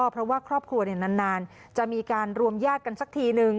เพราะว่าครอบครัวนานจะมีการรวมญาติกันสักทีนึง